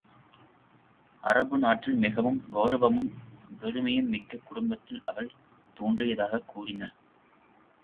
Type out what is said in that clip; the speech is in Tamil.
அரபு நாட்டில் மிகவும் கெளரவமும் பெருமையும் மிக்க குடும்பத்தில் அவர் தோன்றியதாகக் கூறினீர்.